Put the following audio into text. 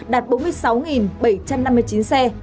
đạt bốn mươi sáu bảy trăm năm mươi chín xe